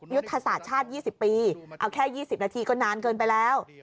ยุทธศาสตร์ชาติ๒๐ปีเอาแค่๒๐นาทีก็นานเกินไปแล้ว